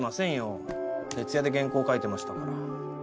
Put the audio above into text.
徹夜で原稿書いてましたから。